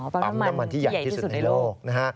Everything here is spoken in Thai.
ปั๊มน้ำมันที่ใหญ่ที่สุดในโลกนะฮะ